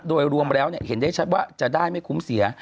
โดยรวมแล้วเห็นได้ชัดว่าจะได้ไม่คุ้มเสีย